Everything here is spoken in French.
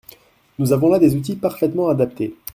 Nous avons là des outils parfaitement adaptés.